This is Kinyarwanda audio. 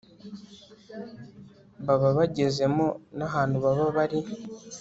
baba bagezemo nahantu baba bari